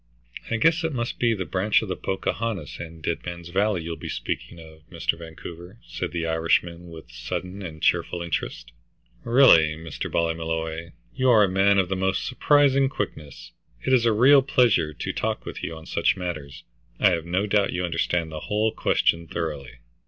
"I guess it must be the branch of the Pocahontas and Dead Man's Valley you'll be speaking of, Mr. Vancouver," said the Irishman, with sudden and cheerful interest. "Really, Mr. Ballymolloy, you are a man of the most surprising quickness. It is a real pleasure to talk with you on such matters. I have no doubt you understand the whole question thoroughly."